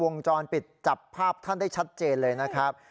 วงจรปิดจับภาพท่านได้ชัดเจนเลยนะครับ